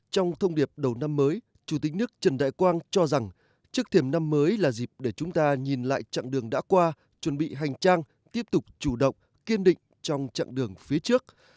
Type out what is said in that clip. trong thông điệp đầu năm mới chủ tịch nước trần đại quang cho rằng trước thiểm năm mới là dịp để chúng ta nhìn lại chặng đường đã qua chuẩn bị hành trang tiếp tục chủ động kiên định trong chặng đường phía trước